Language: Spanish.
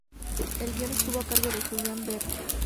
El guión estuvo a cargo de Julian Barry.